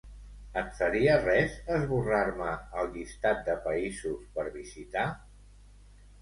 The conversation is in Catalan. Et faria res esborrar-me el llistat de països per visitar?